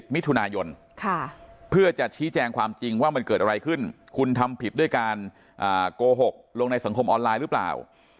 มิถุนายนเพื่อจะชี้แจงความจริงว่ามันเกิดอะไรขึ้นคุณทำผิดด้วยการโกหกลงในสังคมออนไลน์หรือเปล่า